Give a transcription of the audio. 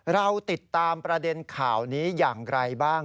เราติดตามประเด็นข่าวนี้อย่างไรบ้าง